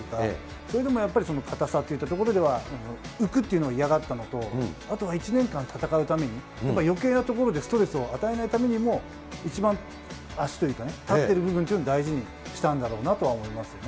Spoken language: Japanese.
それでもやっぱり、硬さといったところでは、浮くというのを嫌がったのと、あとは１年間戦うために、やっぱりよけいなところでストレスを与えないためにも、一番、足というかね、立ってる部分というのを大事にしたんだろうなとは思いますよね。